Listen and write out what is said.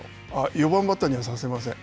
４番バッターにはさせません。